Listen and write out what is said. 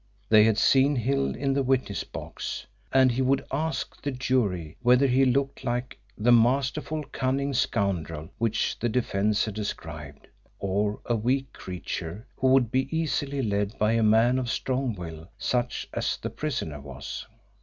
They had seen Hill in the witness box, and he would ask the jury whether he looked like the masterful cunning scoundrel which the defence had described, or a weak creature who would be easily led by a man of strong will, such as the prisoner was.